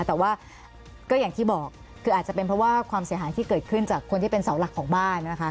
แต่ว่าก็อย่างที่บอกคืออาจจะเป็นเพราะว่าความเสียหายที่เกิดขึ้นจากคนที่เป็นเสาหลักของบ้านนะคะ